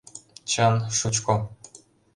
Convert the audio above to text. Чын, шучко.